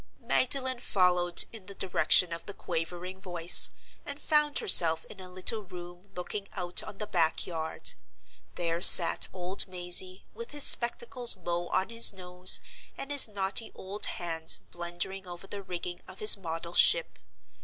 Magdalen followed in the direction of the quavering voice, and found herself in a little room looking out on the back yard. There sat old Mazey, with his spectacles low on his nose, and his knotty old hands blundering over the rigging of his model ship.